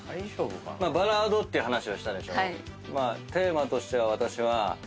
バラードっていう話をしたでしょ。